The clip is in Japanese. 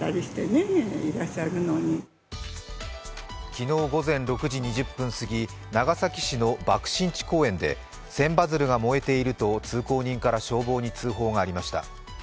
昨日午前６時２０分過ぎ、長崎市の爆心地公園で千羽鶴が燃えていると通行人から消防に通報がありました。